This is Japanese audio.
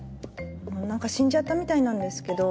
何か死んじゃったみたいなんですけど。